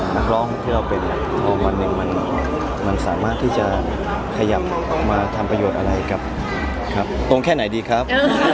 นักร้องที่เราเป็นวันหนึ่งมันสามารถที่จะขยับออกมาทำประโยชน์อะไรกับตรงแค่ไหนดีครับ